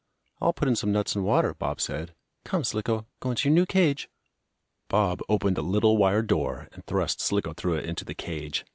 "I'll put in some nuts and water," Bob said. "Come, Slicko, go into your new cage." Bob opened a little wire door, and thrust Slicko through it into the cage.